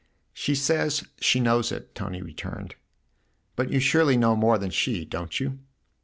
" She says she knows it," Tony returned. " But you surely know more than she, don't you